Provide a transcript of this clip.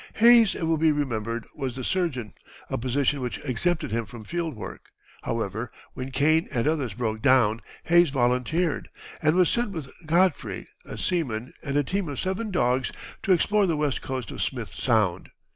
Hayes, it will be remembered, was the surgeon, a position which exempted him from field work. However, when Kane and others broke down, Hayes volunteered, and was sent with Godfrey, a seaman, and a team of seven dogs to explore the west coast of Smith Sound.